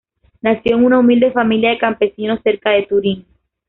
Nació en una humilde familia de campesinos cerca de Turín.